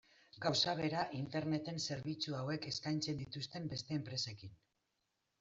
Gauza bera Interneten zerbitzu hauek eskaintzen dituzten beste enpresekin.